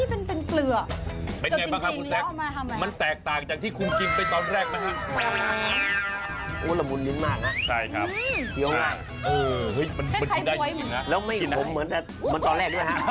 แล้วไม่ขมเหมือนแหละมันตอนแรกด้วยฮะ